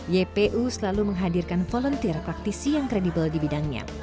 ypu selalu menghadirkan volunteer praktisi yang kredibel di bidangnya